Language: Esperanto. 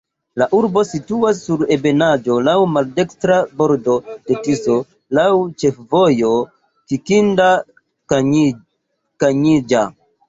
La urbo situas sur ebenaĵo, laŭ maldekstra bordo de Tiso, laŭ ĉefvojo Kikinda-Kanjiĵa.